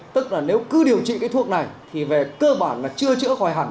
tức là nếu cứ điều trị cái thuốc này thì về cơ bản là chưa chữa khỏi hẳn